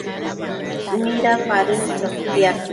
Midapadën chotiad